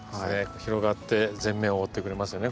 広がって全面を覆ってくれますよね